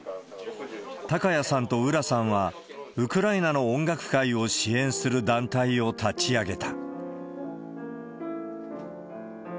高谷さんと浦さんは、ウクライナの音楽界を支援する団体を立ち上げた。